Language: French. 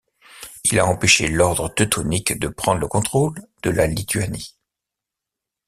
Il a empêché l’Ordre teutonique de prendre le contrôle de la Lituanie.